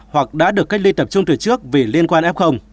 hoặc đã được cách ly tập trung từ trước vì liên quan f